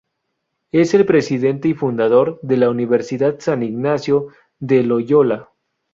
Es el presidente y fundador de la Universidad San Ignacio de Loyola.